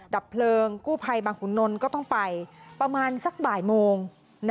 ดับเพลิงกู้ภัยบางขุนนลก็ต้องไปประมาณสักบ่ายโมง